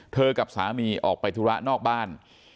กับสามีออกไปธุระนอกบ้าน